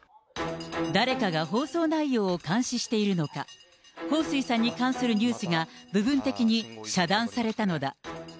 誰かが放送内容を監視しているのか、彭帥さんに関するニュースが、部分的に遮断されたのだ。